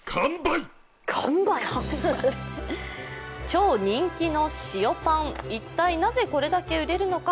超人気の塩パン、一体なぜ、これだけ売れるのか